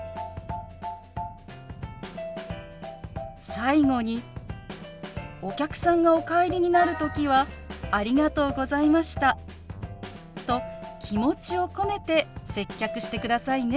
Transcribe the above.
最後にお客さんがお帰りになる時は「ありがとうございました」と気持ちを込めて接客してくださいね。